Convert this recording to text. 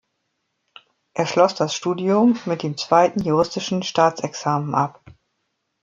Er schloss das Studium mit dem Zweiten juristischen Staatsexamen ab.